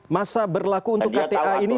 masa berlaku untuk kta ini